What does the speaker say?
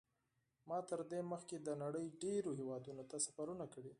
ما تر دې مخکې د نړۍ ډېرو هېوادونو ته سفرونه کړي.